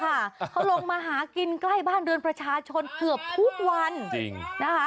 เขาลงมาหากินใกล้บ้านเรือนประชาชนเกือบทุกวันจริงนะคะ